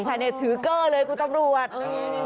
ภายในเถอะเล้ยกูตำรวจ